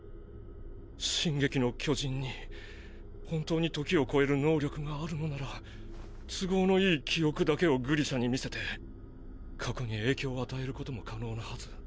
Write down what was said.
「進撃の巨人」に本当に時を超える能力があるのなら都合のいい記憶だけをグリシャに見せて過去に影響を与えることも可能なはず。